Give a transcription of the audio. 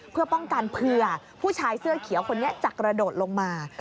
เพื่อป้องกันเผื่อผู้ชายเสื้อเขียวคนนี้จะกระโดดลงมา